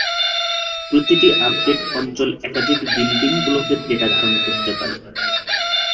প্রতিটি আপডেট অঞ্চল একাধিক বিল্ডিং ব্লকের ডেটা ধারণ করতে পারে।